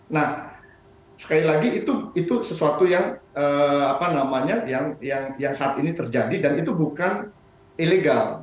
nah sekali lagi itu sesuatu yang saat ini terjadi dan itu bukan ilegal